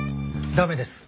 駄目です。